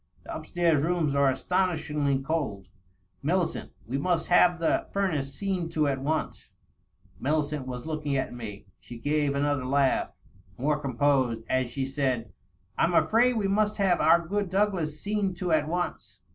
The up stairs rooms are astonishingly cold. Millicent, we must have the furnace seen to at once." Millicent was looking at me. She gave another laugh, more composed, as she said, " I'm afraid we must have our good Douglas seen to at once."